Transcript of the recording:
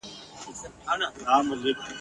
ویل دا تعویذ دي زوی ته کړه په غاړه ..